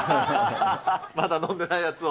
まだ飲んでないやつを。